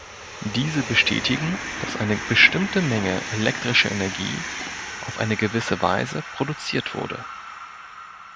Diese bestätigen, dass eine bestimmte Menge elektrischer Energie auf eine gewisse Weise produziert wurde.